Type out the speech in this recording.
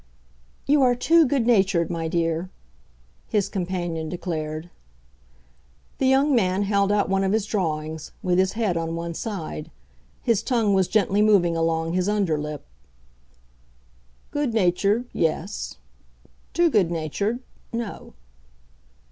"You are too good natured, my dear," his companion declared. The young man held out one of his drawings, with his head on one side. His tongue was gently moving along his under lip. "Good natured—yes. Too good natured—no."